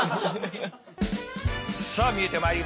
さあ見えてまいりました。